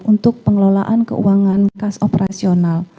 untuk pengelolaan keuangan kas operasional